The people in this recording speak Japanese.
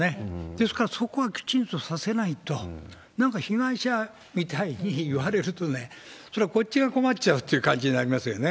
ですから、そこはきちんとさせないと、なんか被害者みたいにいわれるとね、それはこっちが困っちゃうっていう感じになりますよね。